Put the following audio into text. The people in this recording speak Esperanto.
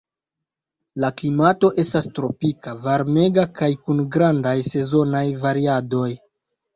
La klimato estas tropika, varmega kaj kun grandaj sezonaj variadoj.